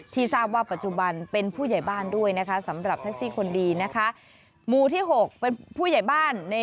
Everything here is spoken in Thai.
ที่ทราบว่าปัจจุบันเป็นผู้ใหญ่บ้านด้วยนะคะ